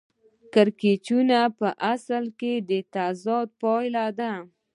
کړکېچونه په اصل کې د تضاد پایله ده